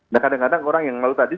nah kadang kadang orang yang lalu tadi